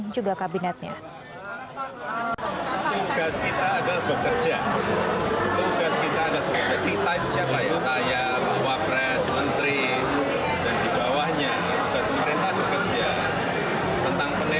jokowi pun berencana terus memperbaiki kinerja di hampir dua tahun menjabat ini